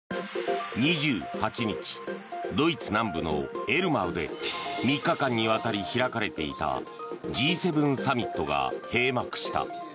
２８日ドイツ南部のエルマウで３日間にわたり開かれていたＧ７サミットが閉幕した。